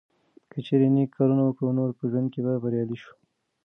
که چیرې نیک کارونه وکړو نو په ژوند کې به بریالي شو.